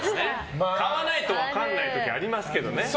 買わないと分からない時ありますけどね。